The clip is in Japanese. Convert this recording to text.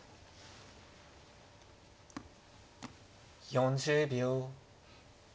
４０秒。